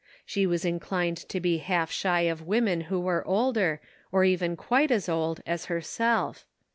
She was inclined to be half shy of women who were older, or even quite as old, as herself.